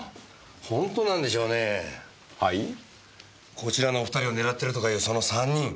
こちらのお２人を狙ってるとかいうその３人。